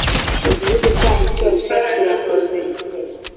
mu gihugu cyanyu cyose turahuze